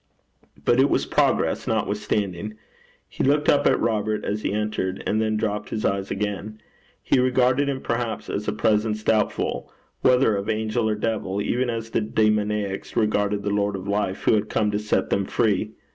But it was progress, notwithstanding. He looked up at Robert as he entered, and then dropped his eyes again. He regarded him perhaps as a presence doubtful whether of angel or devil, even as the demoniacs regarded the Lord of Life who had come to set them free.